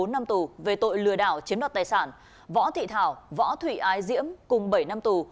bốn năm tù về tội lừa đảo chiếm đoạt tài sản võ thị thảo võ thụy ái diễm cùng bảy năm tù